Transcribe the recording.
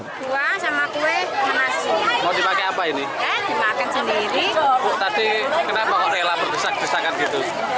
tadi kenapa kalau rela berdesakan gitu